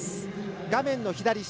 画面の左下